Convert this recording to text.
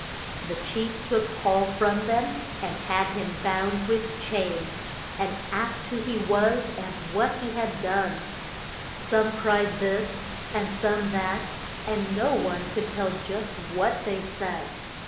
The chief took Paul from them, and had him bound with chains, and asked who he was and what he had done. Some cried this, and some that, and no one could tell just what they said.